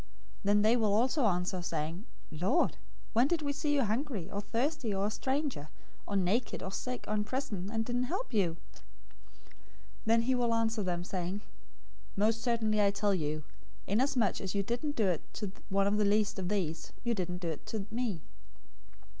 025:044 "Then they will also answer, saying, 'Lord, when did we see you hungry, or thirsty, or a stranger, or naked, or sick, or in prison, and didn't help you?' 025:045 "Then he will answer them, saying, 'Most certainly I tell you, inasmuch as you didn't do it to one of the least of these, you didn't do it to me.'